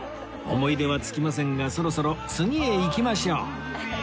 思い出は尽きませんがそろそろ次へ行きましょう